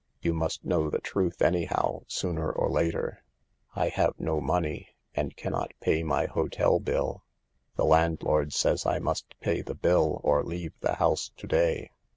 You must know the truth any how, sooner or later. I have no money and can not pay my hotel bill. The landlord says I must pay the bill, or leave the house to day.